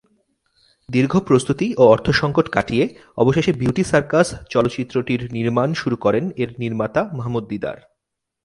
দীর্ঘ প্রস্তুতি ও অর্থ সংকট কাটিয়ে অবশেষে "বিউটি সার্কাস" চলচ্চিত্রটির নির্মাণ শুরু করেন এর নির্মাতা মাহমুদ দিদার।